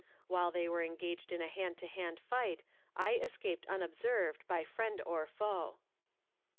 While they were engaged in a hand to hand fight, I escaped unobserved by friend or foe.